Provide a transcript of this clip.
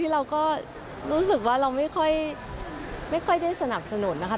เราก็รู้สึกว่าเราไม่ค่อยได้สนับสนุนนะคะ